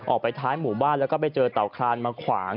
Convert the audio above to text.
ออกไปท้ายหมู่บ้านแล้วก็ไปเจอเต่าคลานมาขวาง